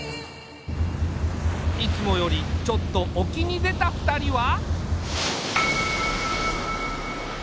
いつもよりちょっと沖に出た２人は。